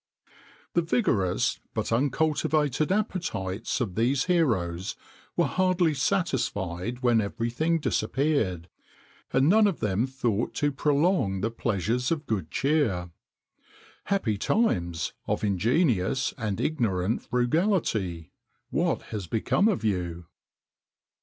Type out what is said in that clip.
[XXIX 2] The vigorous but uncultivated appetites of these heroes were hardly satisfied when everything disappeared, and none of them thought to prolong the pleasures of good cheer.[XXIX 3] Happy times of ingenuous and ignorant frugality! what has become of you?